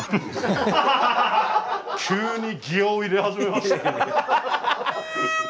急にギアを入れ始めましたね。